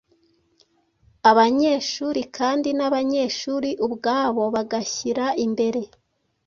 abanyeshuri kandi n’abanyeshuri ubwabo bagashyira imbere